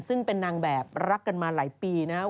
ที่เป็นนางแบบรักกันมาหลายปีนะฮะ